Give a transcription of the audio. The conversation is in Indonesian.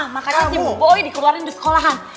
makanya si boy dikeluarkan dari sekolahan